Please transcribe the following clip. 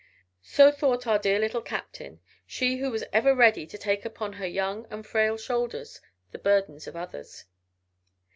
So thought our dear Little Captain, she who was ever ready to take upon her young and frail shoulders the burdens of others.